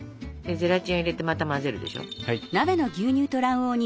ゼラチンを入れてまた混ぜるでしょ。